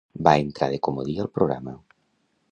Va entrar de comodí al programa.